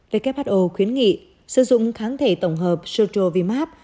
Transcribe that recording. who khuyến nghị sử dụng kháng thể tổng hợp strovimab